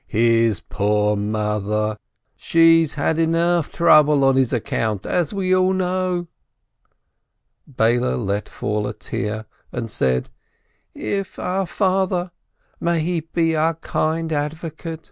His poor mother ! She's had trouble enough on his account, as we all know." Beile let fall a tear and said : "If our father (may he be our kind advocate!)